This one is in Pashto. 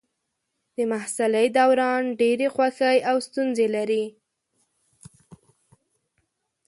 د محصلۍ دوران ډېرې خوښۍ او ستونزې لري.